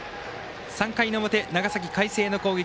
３回の表、長崎・海星の攻撃。